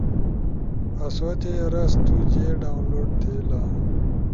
آسو تے رس تو جے ڈاونلوڈ تھئیلا: